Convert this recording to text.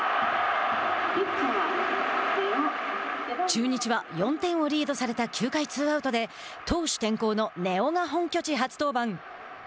中日は４点をリードされた９回ツーアウトで投手転向の根尾が本拠地初登板。